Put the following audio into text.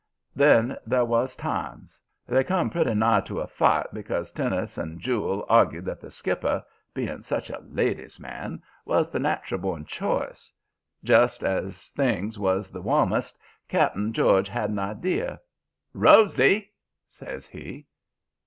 "Then there was times. They come pretty nigh to a fight, because Teunis and Jule argued that the skipper, being such a ladies' man, was the natural born choice. Just as things was the warmest; Cap'n George had an idea. "'ROSY!' says he.